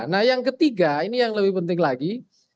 nah yang ketiga ini yang lebih penting lagi